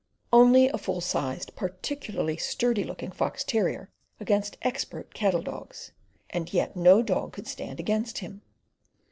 Only a full sized particularly sturdy looking fox terrier against expert cattle dogs; and yet no dog could stand against him.